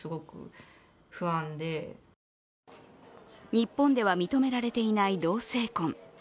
日本では認められていない同性婚。